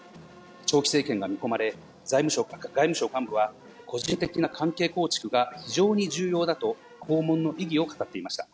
長期政権が見込まれ、外務省幹部は、個人的な関係構築が非常に重要だと、訪問の意義を語っていました。